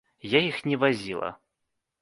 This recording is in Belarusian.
Я іх не вазіла.